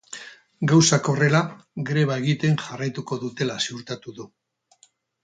Gauzak horrela, greba egiten jarraituko dutela ziurtatu du.